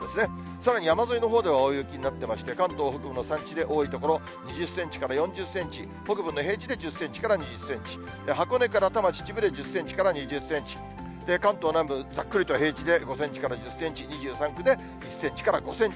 さらに山沿いのほうでは大雪になってまして、関東北部の山地で多い所、２０センチから４０センチ、北部の平地で１０センチから２０センチ、箱根から多摩、秩父で１０センチから２０センチ、関東南部、ざっくりと平均で、１０センチから５センチ。